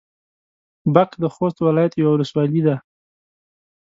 باک د خوست ولايت يوه ولسوالي ده.